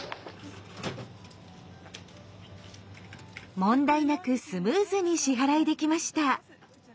問題なくスムーズに支払いできました。